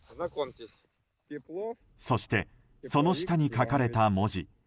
そして、その下に書かれた文字。